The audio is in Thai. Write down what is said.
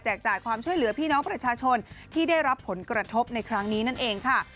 จ่ายความช่วยเหลือพี่น้องประชาชนที่ได้รับผลกระทบในครั้งนี้นั่นเองค่ะ